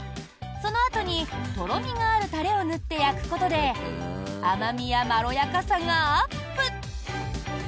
そのあとに、とろみがあるタレを塗って焼くことで甘味やまろやかさがアップ！